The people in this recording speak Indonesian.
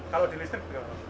kalau di listrik